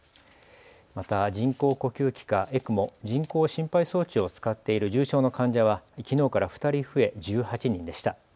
また人工呼吸器かＥＣＭＯ・人工心肺装置を使っている重症の患者は、きのうから２人増え１８人でした。